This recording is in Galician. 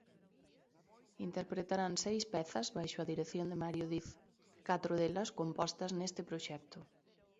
Interpretarán seis pezas baixo a dirección de Mario Diz, catro delas compostas neste proxecto.